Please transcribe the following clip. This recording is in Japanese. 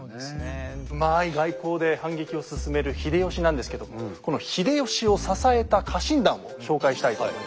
うまい外交で反撃を進める秀吉なんですけどもこの秀吉を支えた家臣団を紹介したいと思います。